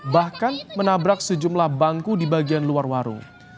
bahkan menabrak sejumlah bangku di bagian luar warung